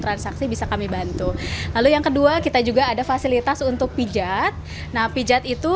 transaksi bisa kami bantu lalu yang kedua kita juga ada fasilitas untuk pijat nah pijat itu